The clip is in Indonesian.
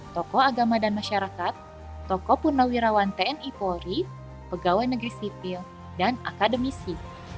tokoh agama dan masyarakat tokoh purnawirawan tni polri pegawai negeri sipil dan akademisi